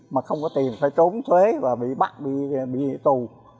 mà không có tiền phải trốn thuế và bị bắt bị tù